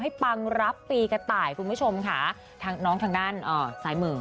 ให้ปังรับปีกะตายคุณผู้ชมค่ะน้องทางด้านสายมือ